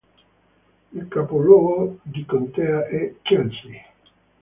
Il capoluogo di contea è Chelsea.